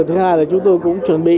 thứ hai là chúng tôi cũng chuẩn bị